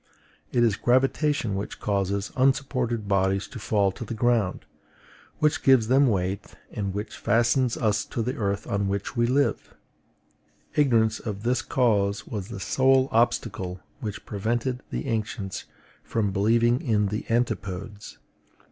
It is gravitation which causes unsupported bodies to fall to the ground, which gives them weight, and which fastens us to the earth on which we live. Ignorance of this cause was the sole obstacle which prevented the ancients from believing in the antipodes.